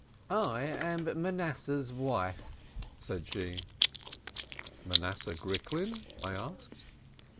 "I am Manasseh's wife," said she. "Manasseh Gricklin's ?" I asked.